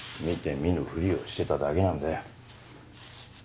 見て見ぬふりをしてただけなんだよ。